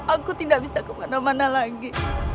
aku tidak bisa kemana mana lagi